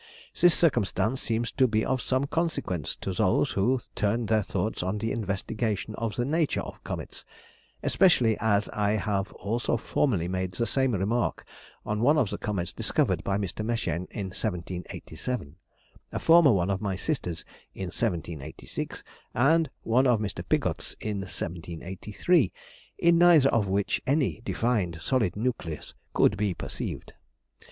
This circumstance seems to be of some consequence to those who turn their thoughts on the investigation of the nature of comets, especially as I have also formerly made the same remark on one of the comets discovered by Mr. Mechain in 1787, a former one of my sister's in 1786, and one of Mr. Pigott's in 1783 in neither of which any defined, solid nucleus, could be perceived.